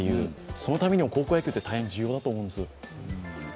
そのためにも高校野球は大変重要だと思うんです。